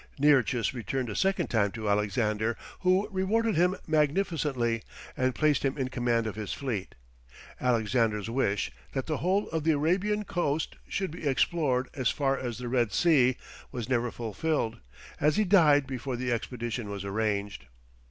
Nearchus returned a second time to Alexander, who rewarded him magnificently, and placed him in command of his fleet. Alexander's wish, that the whole of the Arabian coast should be explored as far as the Red Sea, was never fulfilled, as he died before the expedition was arranged.